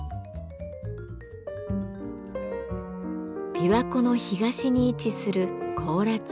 琵琶湖の東に位置する甲良町。